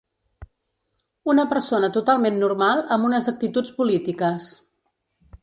Una persona totalment normal amb unes actituds polítiques.